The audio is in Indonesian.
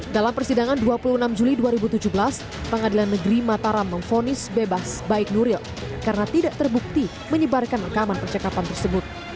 dalam persidangan dua puluh enam juli dua ribu tujuh belas pengadilan negeri mataram memfonis bebas baik nuril karena tidak terbukti menyebarkan rekaman percakapan tersebut